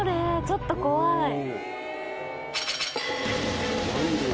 ちょっと怖い。